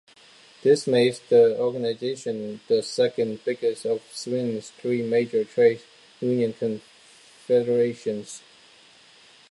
This makes the organization the second biggest of Sweden's three major trade union confederations.